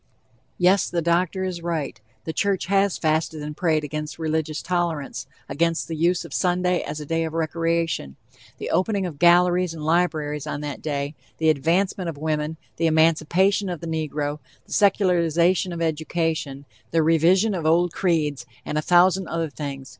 Yes, the doctor is right, the church has "fasted and prayed" against religious tolerance, against the use of Sunday as a day of recreation, the opening of galleries and libraries on that day, the advancement of women, the emancipation of the negro, the secularization of education, the revision of old creeds, and a thousand other things.